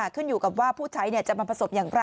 ขึ้นอยู่กับว่าผู้ใช้จะมาประสบอย่างไร